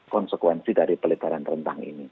konsekuensi dari pelebaran rentang ini